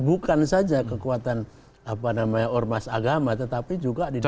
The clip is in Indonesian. bukan saja kekuatan apa namanya ormas agama tetapi juga di dalam